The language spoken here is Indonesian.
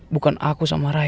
bukan aku sama raya